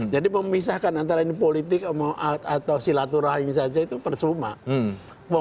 jadi memisahkan antara ini politik atau silaturahim saja itu persuma